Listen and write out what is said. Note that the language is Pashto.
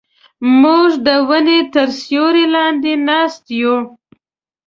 موږ د ونو تر سیوري لاندې ناست یو.